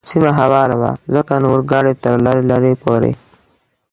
سیمه هواره وه، ځکه نو اورګاډی تر لرې لرې پورې.